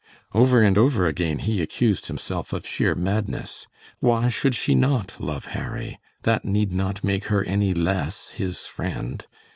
Over and over again he accused himself of sheer madness. Why should she not love Harry? That need not make her any less his friend.